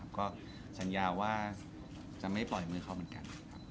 ก็สัญญาว่าจะไม่ปล่อยมือเขาเหมือนกัน